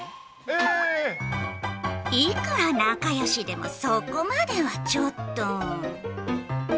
いくら仲よしでも、そこまではちょっと。